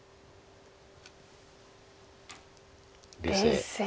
冷静。